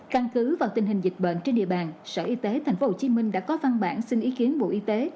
căn cứ vào tình hình dịch bệnh trên địa bàn sở y tế tp hcm đã có văn bản xin ý kiến bộ y tế